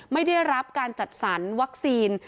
ไม่ได้รับการจัดสรรวัคซีน